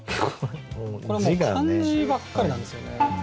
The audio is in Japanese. これもう漢字ばっかりなんですよね。